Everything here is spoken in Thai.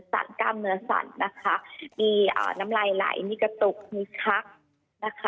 สั่นกล้ามเนื้อสั่นนะคะมีน้ำไหลไหลมีกระตุกมีคัก